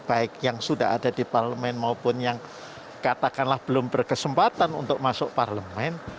baik yang sudah ada di parlemen maupun yang katakanlah belum berkesempatan untuk masuk parlemen